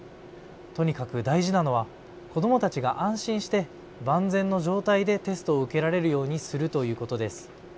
とにかく大事なのは子どもたちが安心して万全の状態でテストを受けられるようにするということです。